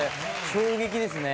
衝撃ですね。